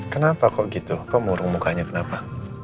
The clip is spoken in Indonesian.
kenapa kok gitu kok murung mukanya kenapa